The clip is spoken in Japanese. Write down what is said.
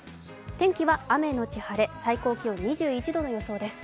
天気は雨のち晴れ最高気温２１度の予想です。